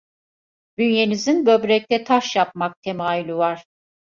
Bünyenizin böbrekte taş yapmak temayülü var.